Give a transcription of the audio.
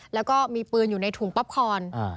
แล้วก็มีปืนอยู่ในถุงป๊อปคอน